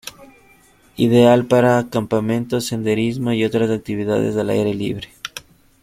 Ideal para campamentos, senderismo y otras actividades al aire libre.